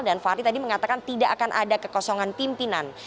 dan fahri tadi mengatakan tidak akan ada kekosongan pimpinan